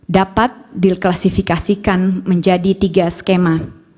dapat diklasifikasikan menjadi tiga skema